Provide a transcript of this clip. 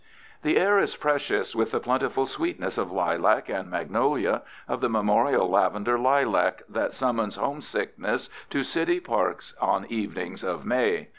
The air is precious with the plentiful sweetness of lilac and magnolia, of the memorial lavender lilac that summons homesickness to city parks on evenings of May.